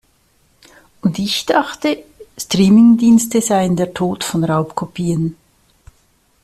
Und ich dachte, Streamingdienste seien der Tod von Raubkopien.